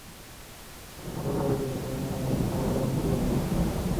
د هرې ډلې د کړنو رنګ او بڼه بېله ده.